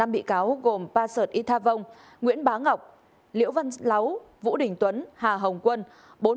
năm bị cáo gồm ba sợt y tha vông nguyễn bá ngọc liễu văn láu vũ đình tuấn hà hồng quân